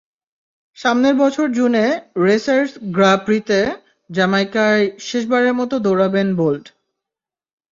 সামনের বছর জুনে রেসার্স গ্রাঁ প্রিতে জ্যামাইকায় শেষবারের মতো দৌড়াবেন বোল্ট।